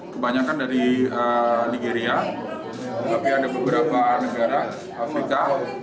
kebanyakan dari nigeria tapi ada beberapa negara afrika